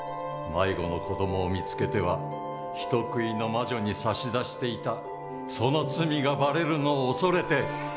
迷子の子どもを見つけては人食いの魔女に差し出していたその罪がばれるのを恐れて！